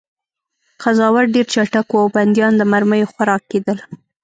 قضاوت ډېر چټک و او بندیان د مرمیو خوراک کېدل